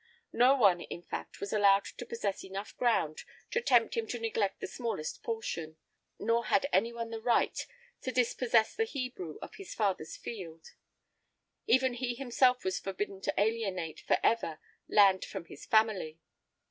No one, in fact, was allowed to possess enough ground to tempt him to neglect the smallest portion; nor had any one the right to dispossess the Hebrew of his father's field, even he himself was forbidden to alienate for ever land from his family.